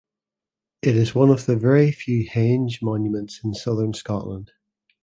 It is one of very few henge monuments in southern Scotland.